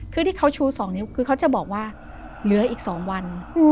คือที่เขาชู๒นิ้วคือเขาจะบอกว่าเหลืออีก๒วัน